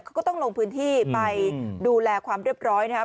เขาก็ต้องลงพื้นที่ไปดูแลความเรียบร้อยนะครับ